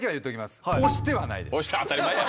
押して当たり前や。